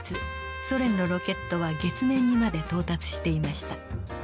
ソ連のロケットは月面にまで到達していました。